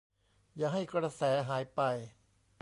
อย่าให้กระแสหายไป !